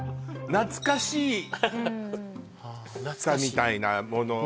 懐かしさみたいなもの